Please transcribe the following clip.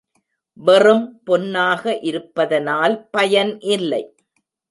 வெறும் பொன்னாக இருப்பதனால் பயன் இல்லை.